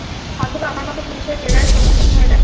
অথবা আমার মতো পুলিশের জেরার সম্মুখীন হয়ে দেখ।